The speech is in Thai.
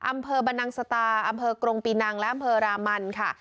อำเภอบรรนังสตาอำเภอกรงปีนังและอำเภอรามันค่ะ